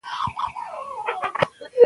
پښتو زموږ د تاریخ روښانه نښه ده.